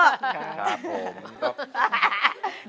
ครับผมครับ